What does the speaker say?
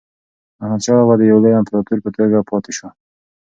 احمدشاه بابا د یو لوی امپراتور په توګه پاتې شو.